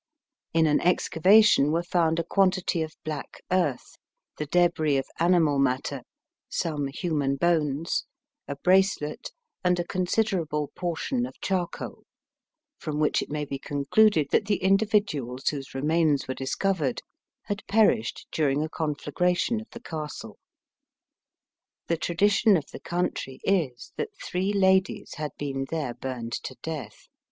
In an excavation were found a quantity of black earth, the debris of animal matter, some human bones, a bracelet, and a considerable portion of charcoal, from which it may be concluded that the individuals whose remains were discovered, had perished during a conflagration of the castle. The tradition of the country is, that Three ladies had been there burned to death.